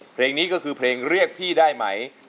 เพลงนี้ก็คือเพลงเรียกพี่ได้ไหม